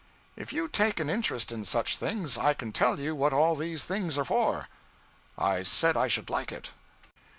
'If you take an interest in such things, I can tell you what all these things are for.' I said I should like it.